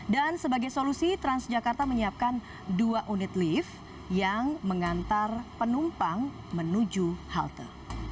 dan sebagai solusi transjakarta menyiapkan dua unit lift yang mengantar penumpang menuju halte